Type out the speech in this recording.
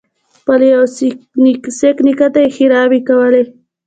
خپل يوه سېک نیکه ته یې ښېراوې کولې.